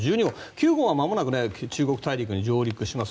９号はまもなく中国大陸に上陸します。